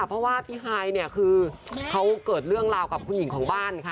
เพราะว่าพี่ฮายเนี่ยคือเขาเกิดเรื่องราวกับผู้หญิงของบ้านค่ะ